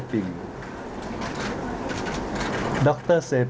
พร้อมแล้วเลยค่ะ